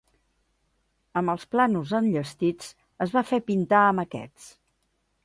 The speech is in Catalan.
Amb els plànols enllestits, es va fer pintar amb aquests.